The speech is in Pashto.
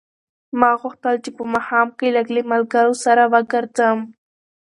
ما غوښتل چې په ماښام کې لږ له ملګرو سره وګرځم.